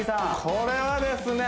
これはですね